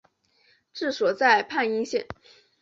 治所在汾阴县。